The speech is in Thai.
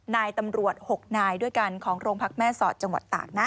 นายตำรวจ๖นายด้วยกันของโรงพักแม่สอดจังหวัดตากนะ